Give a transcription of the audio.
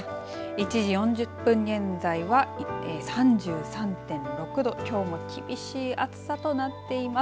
１時４０分現在は３３．６度きょうも厳しい暑さとなっています。